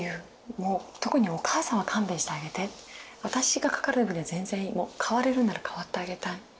もう特にお母さんは勘弁してあげて私がかかる分には全然もう代われるなら代わってあげたい。